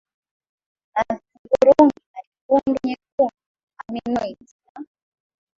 ya hudhurungi na nyekundu nyekundu Armenoids na